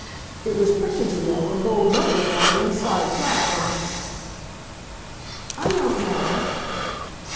"It was printed, you know, in gold lettering on the inside flap and " "I don't know."